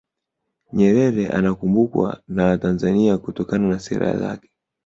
nyerere anakumbukwa na watanzania kutokana na sera zake